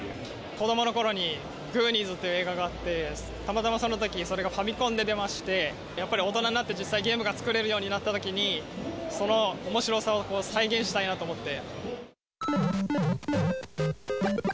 子どものころに、グーニーズという映画があって、たまたまそのとき、それがファミコンで出まして、やっぱり大人になって、実際ゲームが作れるようになったときに、そのおもしろさを再現したいなと思って。